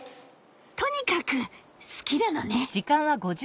とにかく好きなのね。